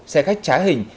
xe khách trái hình